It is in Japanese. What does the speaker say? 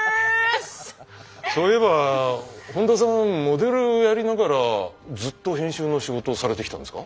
そういえば本田さんモデルやりながらずっと編集の仕事をされてきたんですか？